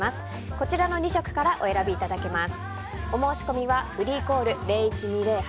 こちらの２色からお選びいただけます。